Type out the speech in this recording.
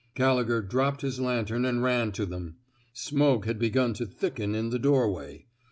'' Gallegher dropped his lantern and ran to them. Smoke had begun to thicken in the doorway.